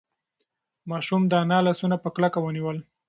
ماشوم د انا لاسونه په کلکه ونیول.